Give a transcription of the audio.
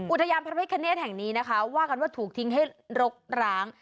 อุทยานพระพิคเนธแห่งนี้นะคะว่ากันว่าถูกทิ้งให้รกร้าง